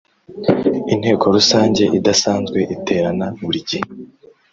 Inteko Rusange idasanzwe iterana buri gihe